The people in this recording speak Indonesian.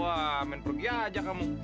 wah main pergi aja kamu